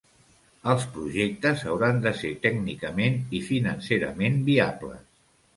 Els projectes hauran de ser tècnicament i financerament viables.